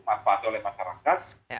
manfaatnya oleh masyarakat